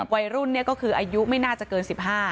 วัยรุ่นก็คืออายุไม่น่าจะเกิน๑๕